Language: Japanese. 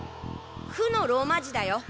「ふ」のローマ字だよ！